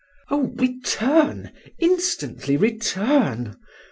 "Oh! return instantly return!"